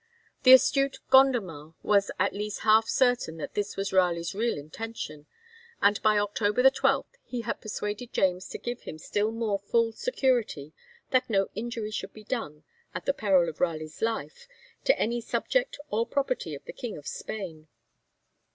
The astute Gondomar was at least half certain that this was Raleigh's real intention, and by October 12 he had persuaded James to give him still more full security that no injury should be done, at the peril of Raleigh's life, to any subject or property of the King of Spain.